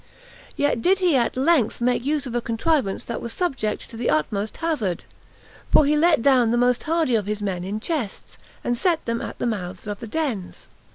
Yet did he at length make use of a contrivance that was subject to the utmost hazard; for he let down the most hardy of his men in chests, and set them at the mouths of the dens.